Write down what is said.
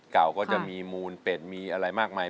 ก็จะมีมูลเป็ดมีอะไรมากมาย